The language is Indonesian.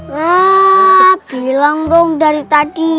wah bilang dong dari tadi